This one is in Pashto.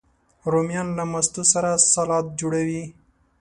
رومیان له ماستو سره سالاد جوړوي